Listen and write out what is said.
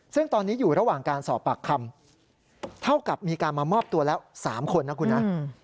ซึ่งตอนนี้อยู่ระหว่างการสอบปากคำเท่ากับมีการมามอบตัวแล้ว๓คนนะคุณนะ